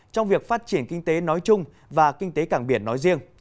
trong việc phát triển kinh tế nói chung và kinh tế cảng biển nói riêng